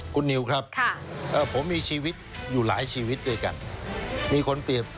คุณนิวครับผมมีชีวิตอยู่หลายชีวิตด้วยกันมีคนเปรียบ